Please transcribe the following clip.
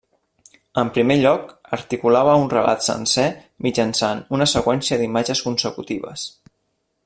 En primer lloc, articulava un relat sencer mitjançant una seqüència d'imatges consecutives.